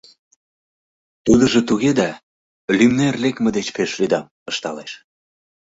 — Тудыжо туге да... лӱмнер лекме деч пеш лӱдам, — ышталеш.